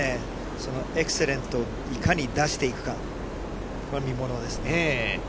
そのエクセレントをいかに出していくかが見ものですね。